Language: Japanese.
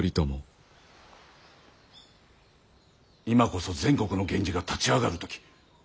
今こそ全国の源氏が立ち上がる時。